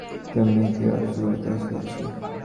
তুমি একি রহস্য করিতে আসিয়াছ!